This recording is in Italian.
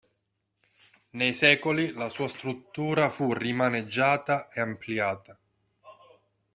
Nei secoli la sua struttura fu rimaneggiata e ampliata.